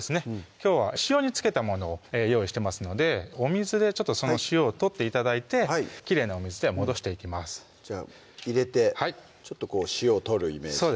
きょうは塩につけたものを用意してますのでお水でちょっと塩を取って頂いてきれいなお水で戻していきますじゃあ入れてちょっとこう塩を取るイメージ